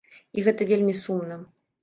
І гэта вельмі сумна.